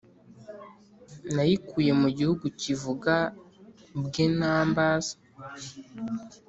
nayikuye mu gihugu kivuga mbwenumbers